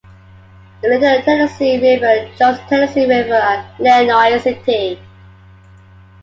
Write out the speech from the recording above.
The Little Tennessee River joins the Tennessee River at Lenoir City.